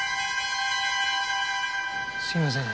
すみません。